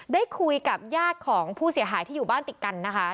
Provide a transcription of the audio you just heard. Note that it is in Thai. ได้คุยกับญาติของผู้เสียหายที่อยู่บ้านติดกันนะคะ